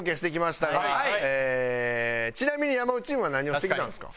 ちなみに山内チームは何をしてきたんですか？